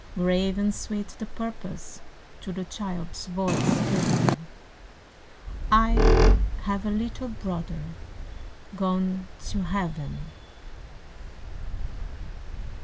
Grave and sweet the purpose To the child's voice given: "I have a little brother Gone to Heaven!"